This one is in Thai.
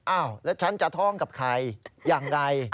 อ้าวแล้วฉันจะท่องกับใครอย่างไร